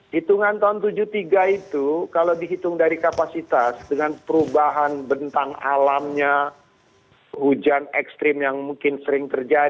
hitungan tahun tujuh puluh tiga itu kalau dihitung dari kapasitas dengan perubahan bentang alamnya hujan eksternal dan juga